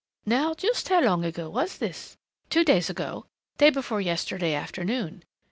"Now just how long ago was this?" "Two days ago. Day before yesterday afternoon."